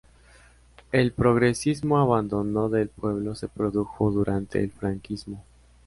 El progresivo abandono del pueblo se produjo durante el franquismo.